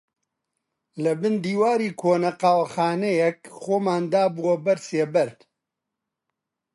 لەبن دیواری کۆنە قاوەخانەیەک خۆمان دابووە بەر سێبەر